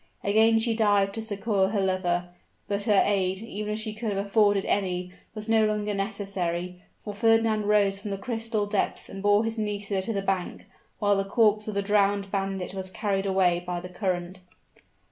Again she dived to succor her lover, but her aid, even if she could have afforded any, was no longer necessary, for Fernand rose from the crystal depths and bore his Nisida to the bank, while the corpse of the drowned bandit was carried away by the current.